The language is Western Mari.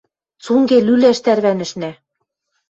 Цунге лӱлӓш тӓрвӓнӹшнӓ.